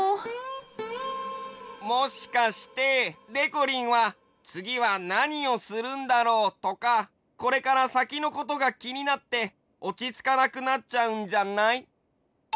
もしかしてでこりんはつぎはなにをするんだろうとかこれからさきのことがきになっておちつかなくなっちゃうんじゃない？